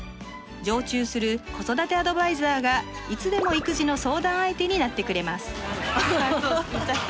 常駐する子育てアドバイザーがいつでも育児の相談相手になってくれます